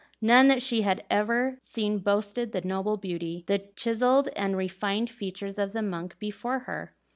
None that she had ever seen boasted the noble beauty, the chiselled and refined features of the monk before her.